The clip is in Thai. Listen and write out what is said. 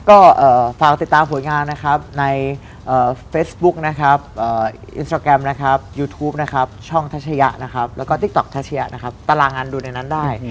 ก็ฝากติดตามผลงานนะครับในเฟซบุ๊คนะครับอินสตราแกรมนะครับยูทูปนะครับช่องทัชยะนะครับแล้วก็ติ๊กต๊อกทัชยะนะครับตารางอันดูในนั้นได้